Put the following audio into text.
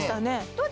どう？